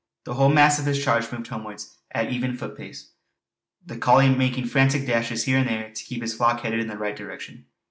The whole mass of his charge moved homewards at an even footpace, the collie making frantic dashes here and there to keep his flock headed in the right direction.